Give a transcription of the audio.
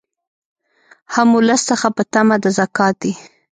هم ولس څخه په طمع د زکات دي